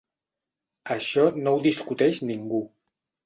Això no ho discuteix ningú.